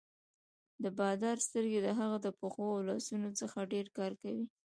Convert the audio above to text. د بادار سترګې د هغه د پښو او لاسونو څخه ډېر کار کوي.